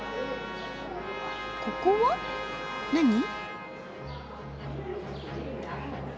ここは何？